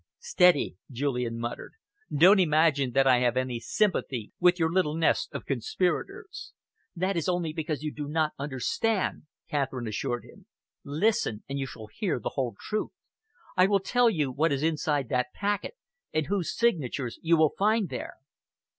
"Steady!" Julian muttered. "Don't imagine that I have any sympathy with your little nest of conspirators." "That is only because you do not understand," Catherine assured him. "Listen, and you shall hear the whole truth. I will tell you what is inside that packet and whose signatures you will find there."